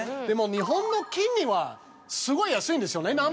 でも日本の金利はすごい安いんですよね。